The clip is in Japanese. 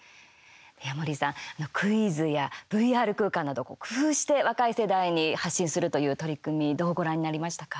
矢守さん、クイズやＶＲ空間など工夫して若い世代に発信するという取り組みどうご覧になりましたか。